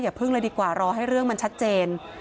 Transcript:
พึ่งเลยดีกว่ารอให้เรื่องมันชัดเจน